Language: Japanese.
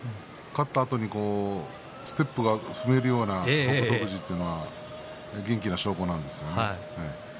勝ったあとにステップが踏めるような北勝富士は元気な証拠です。